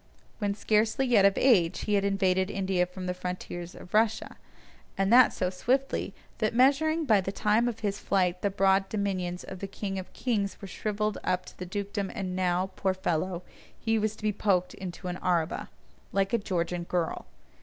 When scarcely yet of age he had invaded India from the frontiers of Russia, and that so swiftly, that measuring by the time of his flight the broad dominions of the king of kings were shrivelled up to a dukedom and now, poor fellow, he was to be poked into an araba: like a Georgian girl!